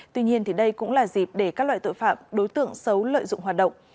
tuy nhiên đây cũng là dịp để các loại tội phạm đối tượng xấu lợi dụng hoạt động